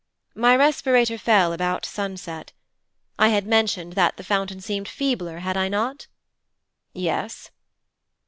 'My respirator fell about sunset. I had mentioned that the fountain seemed feebler, had I not?' 'Yes.'